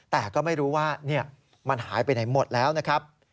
แต่ก็ไม่รู้ว่ามันหายไปไหนหมดแล้วนะครับ